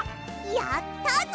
やったぞ！